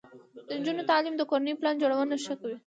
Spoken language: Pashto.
د نجونو تعلیم د کورنۍ پلان جوړونه ښه کوي.